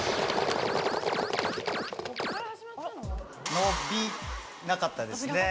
伸びなかったですね。